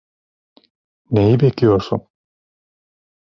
Neyi bekliyorsun?